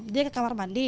dia ke kamar mandi